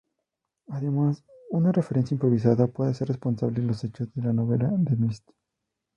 Además, una referencia improvisada puede hacer responsable los hechos de la novela "The Mist".